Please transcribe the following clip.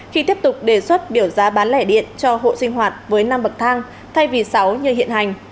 khi tiếp tục đề xuất biểu giá bán lẻ điện cho hộ sinh hoạt với năm bậc thang thay vì sáu như hiện hành